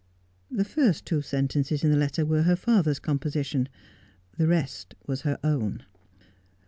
The first two sentences in the letter were her father's composi tion. The rest was her own.